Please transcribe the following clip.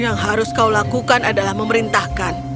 yang harus kau lakukan adalah memerintahkan